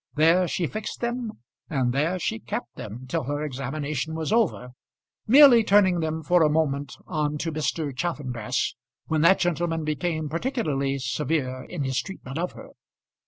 There she fixed them, and there she kept them till her examination was over, merely turning them for a moment on to Mr. Chaffanbrass, when that gentleman became particularly severe in his treatment of her.